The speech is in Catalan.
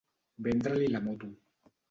Vendre-li la moto.